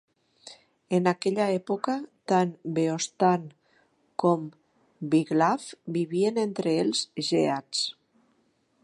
En aquella època, tant Weohstan com Wiglaf "vivien entre els geats".